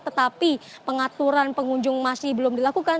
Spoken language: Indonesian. tetapi pengaturan pengunjung masih belum dilakukan